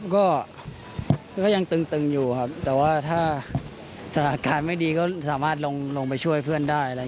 ก็ยังตึงอยู่ครับแต่ว่าถ้าสถานการณ์ไม่ดีก็สามารถลงไปช่วยเพื่อนได้อะไร